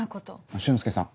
俊介さん。